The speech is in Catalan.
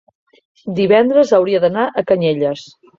divendres hauria d'anar a Canyelles.